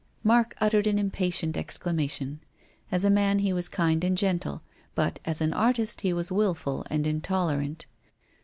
Mark uttered an impatient exclamation. As a man he was kind and gentle, but as an artist he was wilful and intolerant.